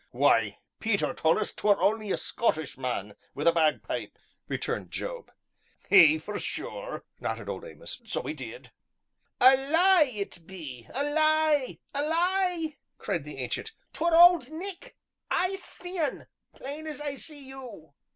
"Why, Peter told us 'twere only a Scottish man wi' a bagpipe," returned Job. "Ay, for sure," nodded Old Amos, "so 'e did." "A lie, it be a lie, a lie!" cried the Ancient, "'twere Old Nick, I see un plain as I see you."